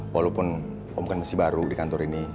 walaupun om kan masih baru di kantor ini